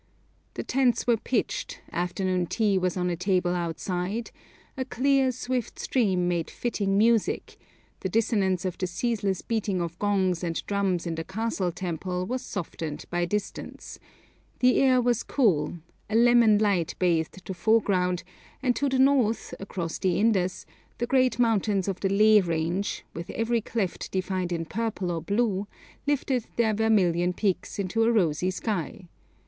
The tents were pitched, afternoon tea was on a table outside, a clear, swift stream made fitting music, the dissonance of the ceaseless beating of gongs and drums in the castle temple was softened by distance, the air was cool, a lemon light bathed the foreground, and to the north, across the Indus, the great mountains of the Leh range, with every cleft defined in purple or blue, lifted their vermilion peaks into a rosy sky.